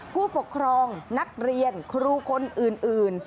ผู้ปกครองนักเรียนครูคนอื่น